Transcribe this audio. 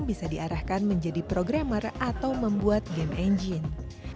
bisa diarahkan menjadi programmer atau membuat game engine